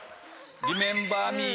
『リメンバー・ミー』